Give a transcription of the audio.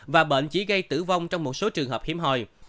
và bệnh chỉ gây tử vong trong một số trường hợp hiếm hoi